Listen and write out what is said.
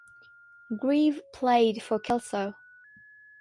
Grieve played for Kelso.